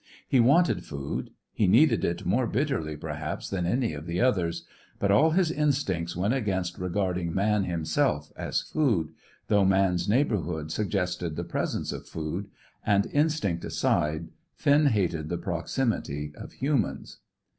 He wanted food; he needed it more bitterly perhaps than any of the others; but all his instincts went against regarding man himself as food, though man's neighbourhood suggested the presence of food, and, instinct aside, Finn hated the proximity of humans.